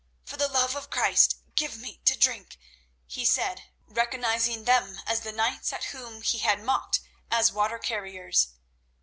"For the love of Christ, give me to drink," he said, recognizing them as the knights at whom he had mocked as water carriers.